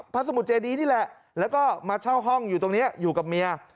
สมุทรเจดีนี่แหละแล้วก็มาเช่าห้องอยู่ตรงนี้อยู่กับเมีย